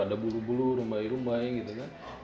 ada bulu bulu rumbai rumbai gitu kan